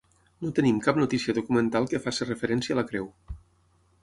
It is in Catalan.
No tenim cap notícia documental que faci referència a la creu.